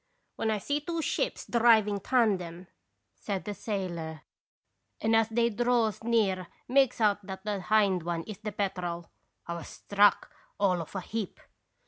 "When I see two ships driving tandem," said the sailor, "and as they draws near makes out that the hind one is the Petrel, I was struck all of a heap.